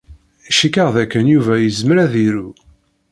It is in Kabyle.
Cikkeɣ dakken Yuba yezmer ad iru.